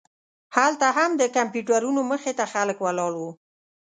هلته هم د کمپیوټرونو مخې ته خلک ولاړ وو.